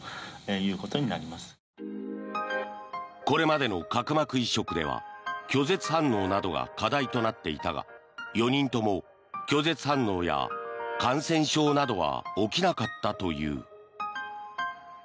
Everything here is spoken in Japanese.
これまでの角膜移植では拒絶反応などが課題となっていたが４人とも拒絶反応や感染症などは起きなかったという。